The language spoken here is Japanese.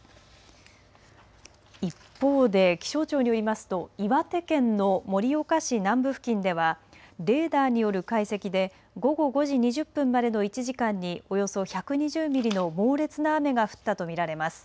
一方で気象庁によりますと岩手県の盛岡市南部付近ではレーダーによる解析で午後５時２０分までの１時間におよそ１２０ミリの猛烈な雨が降ったと見られます。